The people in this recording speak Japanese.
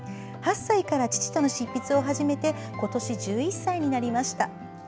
８歳から父との執筆を始めて今年１１歳になりました。